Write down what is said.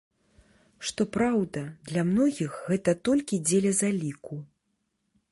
Што праўда, для многіх гэта толькі дзеля заліку.